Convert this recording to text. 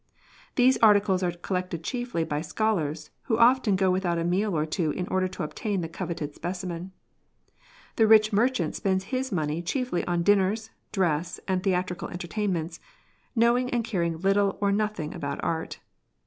These articles are collected chiefly by scholars, who often go without a meal or two in order to obtain the coveted specimen ; the rich merchant spends his money chiefly on dinners, dress, and theatrical entertainments, knowing and carinoj little or nothino^ about art.